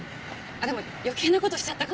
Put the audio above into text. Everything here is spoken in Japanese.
あっでも余計なことしちゃったかな。